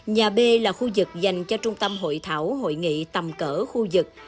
nhà b là khu vực dành cho trung tâm hội thảo hội nghị tầm cỡ khu vực